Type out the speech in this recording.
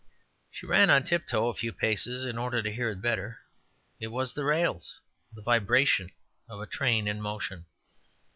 She ran on tiptoe a few paces in order to hear it better; it was in the rails the vibration of a train in motion.